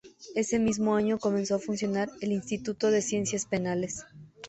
Ese mismo año comenzó a funcionar el Instituto de Ciencias Penales.